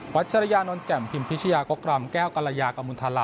วัชญานนต์แจ่มพิมพิชยากกรรมแก้วกรรยากมุนธารา